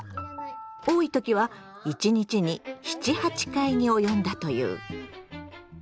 多い時は１日に７８回に及んだという。